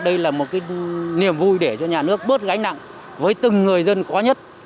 đây là một cái niềm vui để cho nhà nước bớt gánh nặng với từng người dân khó nhất